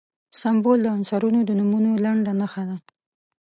سمبول د عنصرونو د نومونو لنډه نښه ده.